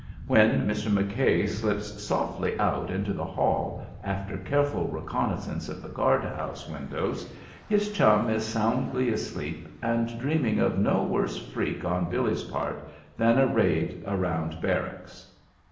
When Mr. McKay slips softly out into the hall, after careful reconnaissance of the guard house windows, his chum is soundly asleep and dreaming of no worse freak on Billy's part than a raid around barracks.